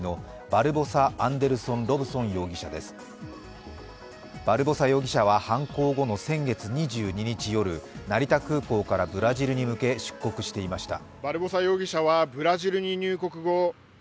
バルボサ容疑者は犯行後の先月２２日夜、成田空港からブラジルに向け出国していました。